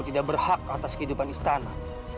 jadi kamu tidak berhak atas kehidupan istana